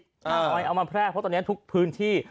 คอยเอามาแพร่เพราะตอนนี้ทุกพื้นที่